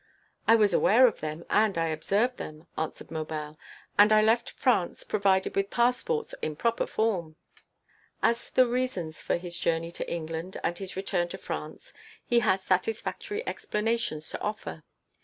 "I was aware of them and I observed them," answered Maubel, "and I left France provided with passports in proper form." As to the reasons for his journey to England and his return to France he had satisfactory explanations to offer.